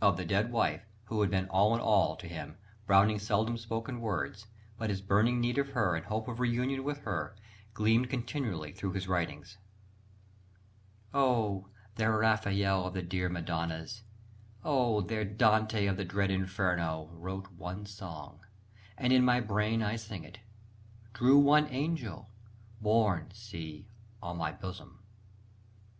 Of the dead wife, who had been all in all to him, Browning seldom spoke in words: but his burning need of her and hope of reunion with her gleamed continually through his writings: "Oh, their Rafael of the dear Madonnas, Oh, their Dante of the dread Inferno, Wrote one song and in my brain I sing it, Drew one angel borne, see, on my bosom!"